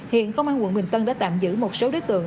hiện công an quận bình tân đã tạm giữ một số đối tượng